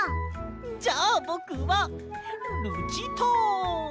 じゃあぼくはルチタン！